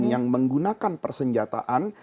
yang menggunakan persenjataan